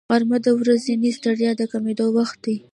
غرمه د ورځنۍ ستړیا د کمېدو وخت دی